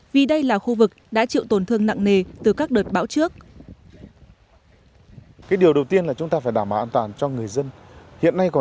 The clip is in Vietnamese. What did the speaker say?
vì đây là khu vực đã chịu tổn thương nặng nề từ các đợt bão trước